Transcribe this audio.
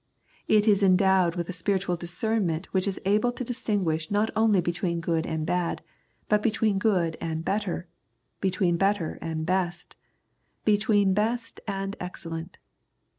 It is endowed with a spiritual discernment which is able to distinguish not only between good and bad, but between good and better, between better and best, and between best and excellent.